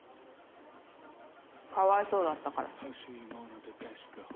かわいそうだったから。